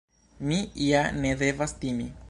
Mi ja ne devas timi.